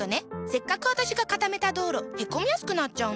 せっかく私が固めた道路へこみやすくなっちゃうの。